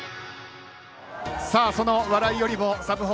その笑いよりもサブ４。